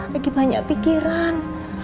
lagi banyak pikiran